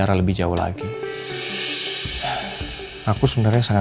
nah medio gidung